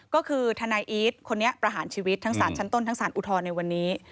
ก็คือทนายอีทคนนี้ประหารชีวิตทั้งสารชั้นต้นทั้งสารอุทธรณ์ในวันนี้